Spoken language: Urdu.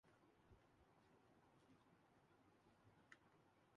بال ٹمپرنگ کیس سٹریلوی کرکٹرز نے سزائیں قبول کر لیں